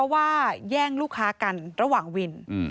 ว่าแย่งลูกค้ากันระหว่างวิน